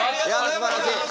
いやすばらしい！